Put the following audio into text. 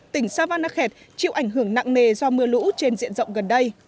tỉnh savanakhet chịu ảnh hưởng nặng nề do mưa lũ trên diện rộng gần đây